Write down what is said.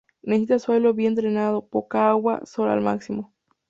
Necesita suelo bien drenado, poca agua; sol al máximo.